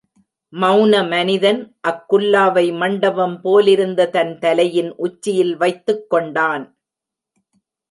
மெளன மனிதன் அக்குல்லாவை மண்டபம் போலிருந்த தன் தலையின் உச்சியில் வைத்துக் கொண்டான்.